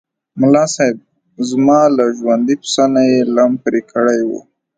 ملاصاحب! زما له ژوندي پسه نه یې لم پرې کړی و.